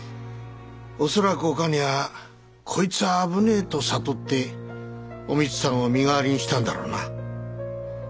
恐らくお兼はこいつぁ危ねえと悟ってお美津さんを身代わりにしたんだろうな。